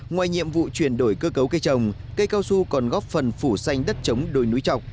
ngoài nhiệm vụ chuyển đổi cơ cấu cây trồng cây cao su còn góp phần phủ xanh đất chống đồi núi trọc